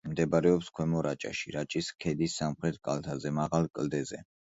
მდებარეობს ქვემო რაჭაში, რაჭის ქედის სამხრეთ კალთაზე, მაღალ კლდეზე.